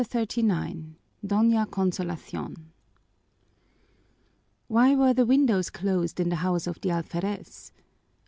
CHAPTER XXXIX Doña Consolacion Why were the windows closed in the house of the alferez?